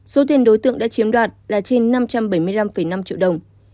số tiền đối tượng đã chiếm đoạt là trên năm trăm bảy mươi năm năm triệu đồng